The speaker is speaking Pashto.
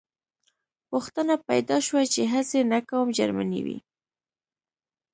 پوښتنه پیدا شوه چې هسې نه کوم جرمنی وي